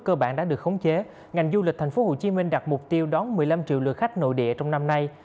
cơ bản đã được khống chế ngành du lịch tp hcm đặt mục tiêu đón một mươi năm triệu lượt khách nội địa trong năm nay